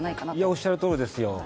おっしゃるとおりですよ。